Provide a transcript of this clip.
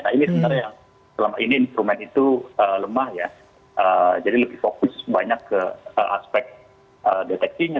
nah ini sebenarnya yang selama ini instrumen itu lemah ya jadi lebih fokus banyak ke aspek deteksinya